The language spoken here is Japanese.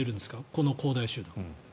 この恒大集団。